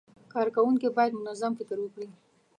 کارکوونکي باید منظم فکر وکړي.